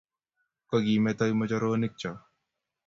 Ko kemeto kimojoronik choo